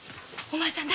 お前さん！